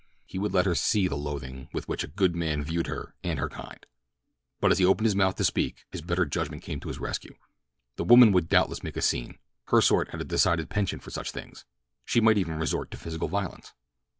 He would let her see the loathing with which a good man viewed her and her kind; but as he opened his mouth to speak, his better judgment came to his rescue. The woman would doubtless make a scene—her sort had a decided penchant for such things—she might even resort to physical violence.